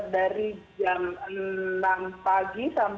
dari jam sembilan pagi sampai jam lima sore